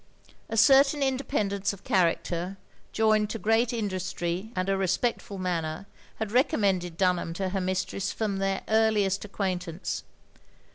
A certain independence of character, joined to great industry and a respectful manner, had recommended Dtmham to her ndstress from their earliest acquaintance.